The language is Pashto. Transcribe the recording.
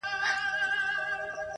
دا پاته عمر ملګي کومه ښه کومه ,